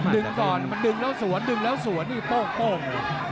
ดึงก่อนมันดึงแล้วสวนดึงแล้วสวนนี่โป้ง